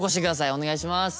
お願いします。